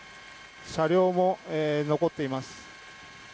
車両も残っています。